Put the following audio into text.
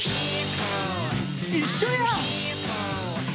一緒やん！